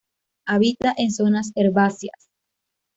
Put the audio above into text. Habita en zonas herbáceas.